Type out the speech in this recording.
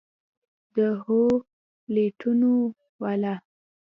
د هوټلونو والا!